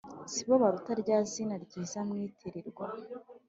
Si bo batuka rya zina ryiza mwitirirwa